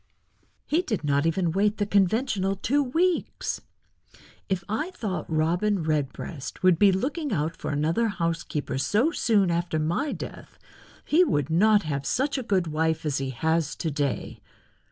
"He did not even wait the conventional two weeks. If I thought Robin Redbreast would be looking out for another housekeeper so soon after my death he would not have such a good wife as he has to day.